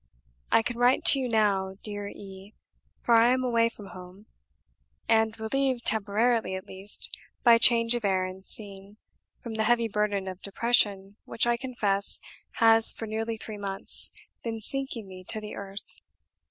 "I can write to you now, dear E , for I am away from home) and relieved, temporarily, at least, by change of air and scene, from the heavy burden of depression which, I confess, has for nearly three months been sinking me to the earth.